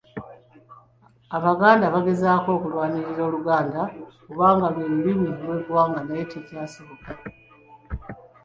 Abaganda baagezaako okulwanirira Oluganda okubanga lwe Lulimi lw'eggwanga naye tekyasoboka.